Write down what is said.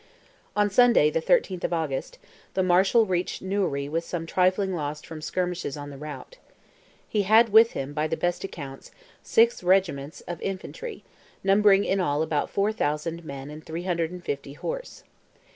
On Sunday, the 13th of August, the Marshal reached Newry with some trifling loss from skirmishes on the route. He had with him, by the best accounts, six regiments of infantry, numbering in all about 4,000 men and 350 horse.